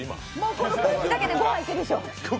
この空気だけでご飯いけるでしょう？